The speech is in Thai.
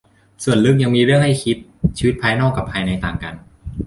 ส่วนลึกยังมีเรื่องให้คิด ชีวิตภายนอกกับภายในต่างกัน